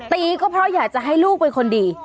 ตีก็เพราะอยากจะให้ลูกเป็นคนดี